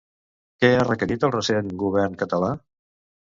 Què ha requerit al recent govern català?